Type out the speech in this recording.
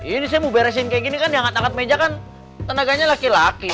ini saya mau beresin kayak gini kan diangkat angkat meja kan tenaganya laki laki